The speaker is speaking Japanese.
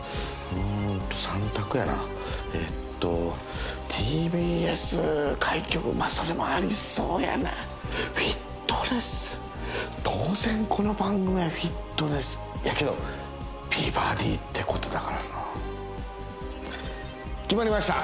うんと３択やなえっとＴＢＳ開局まぁそれもありそうやなフィットネス当然この番組はフィットネスやけど「美バディ」ってことだからな決まりました！